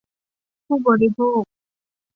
ผู้บริโภค